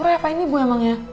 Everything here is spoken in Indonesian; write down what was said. om roy apa ini ibu emangnya